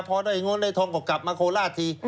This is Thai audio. พอได้เงินได้ทองก็กลับมาโคราชที